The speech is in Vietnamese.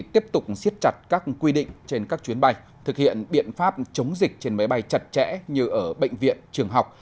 tiếp tục xiết chặt các quy định trên các chuyến bay thực hiện biện pháp chống dịch trên máy bay chặt chẽ như ở bệnh viện trường học